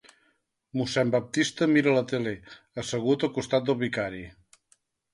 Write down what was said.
Mossèn Baptista mira la tele, assegut al costat del vicari.